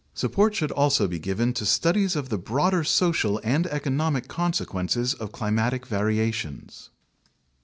Support should also be given to studies of the broader social and eco nomic consequences of climatic variations.